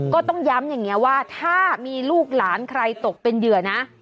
ก็ต้องย้ำอย่างนี้ว่าถ้ามีลูกหลานใครตกเป็นเหยื่อนะ